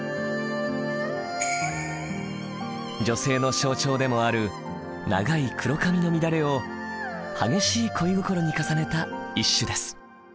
女性の象徴でもある「長い黒髪」の乱れを激しい恋心に重ねた一首です。